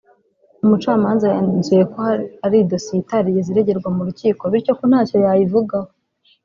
umucamanza yanzuye ko ari dosiye itarigeze iregerwa mu rukiko bityo ko ntacyo yakivugaho